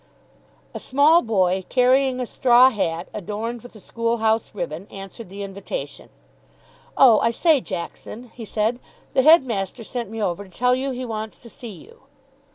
A small boy, carrying a straw hat adorned with the school house ribbon, answered the invitation. "Oh, I say, Jackson," he said, "the headmaster sent me over to tell you he wants to see you."